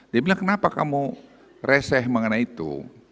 dia bilang kenapa kamu reseh mengenai itu